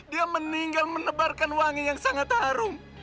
dia meninggal menebarkan wangi yang sangat harum